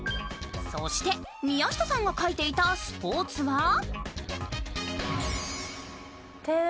そして宮下さんが書いていたスポーツは